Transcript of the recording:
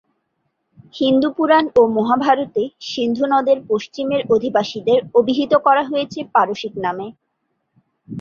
হিন্দু পুরাণ ও মহাভারতে সিন্ধু নদের পশ্চিমের অধিবাসীদের অভিহিত করা হয়েছে পারসিক নামে।